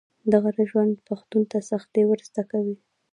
د غره ژوند پښتون ته سختي ور زده کوي.